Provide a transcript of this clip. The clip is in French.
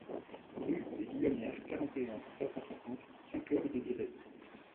Rue des Guillonnières, quarante et un, trois cent cinquante Saint-Claude-de-Diray